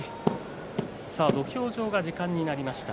土俵上が時間になりました。